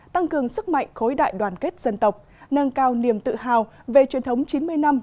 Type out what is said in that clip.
tăng cường sức mạnh khối đại đoàn kết dân tộc nâng cao niềm tự hào về truyền thống chín mươi năm